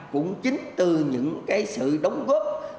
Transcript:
cũng chính từ những sự đóng góp